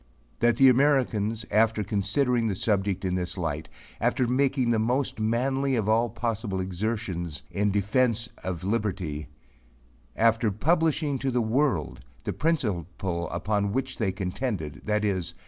That the Americans after considering the subject in this light after making the most manly of all possible exertions in defence of liberty after publishing to the world the principle upon which they contended, viz.